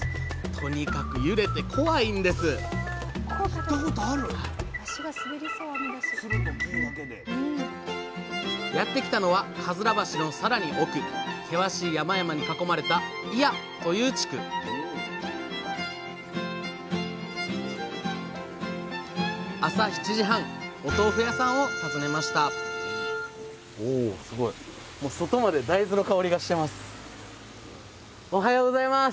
とにかく揺れて怖いんですやって来たのはかずら橋のさらに奥険しい山々に囲まれた祖谷という地区朝７時半お豆腐屋さんを訪ねましたおはようございます！